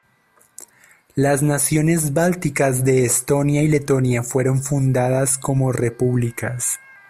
Las naciones bálticas de Estonia y Letonia fueron fundadas como repúblicas.